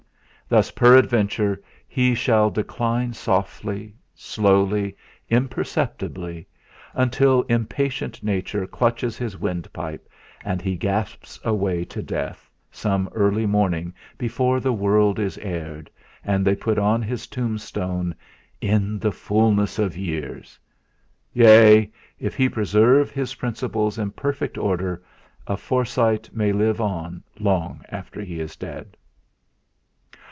Thus peradventure he shall decline softly, slowly, imperceptibly, until impatient Nature clutches his wind pipe and he gasps away to death some early morning before the world is aired, and they put on his tombstone: 'In the fulness of years!' yea! If he preserve his principles in perfect order, a Forsyte may live on long after he is dead.